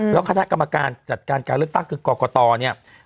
แล้วคณะกรรมการจัดการการเลือกตั้งคือกรกตเนี่ย